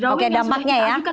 oke dampaknya ya